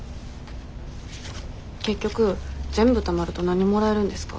結局全部たまると何もらえるんですか？